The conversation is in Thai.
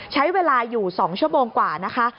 ใช้เวลาอยู่๒ชั่วโมงกว่านะคะ